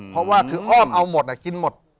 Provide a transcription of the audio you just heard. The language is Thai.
เพราะว่าคืออ้อมเอาหมดกินหมด